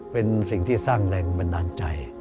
เป็นสิ่งที่สร้างแรงบันดาลใจ